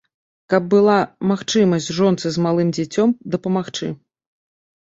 Каб была магчымасць жонцы з малым дзіцем дапамагчы.